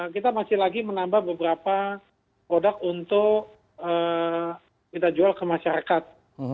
kita masih lagi menambah beberapa produk untuk kita jual ke masyarakat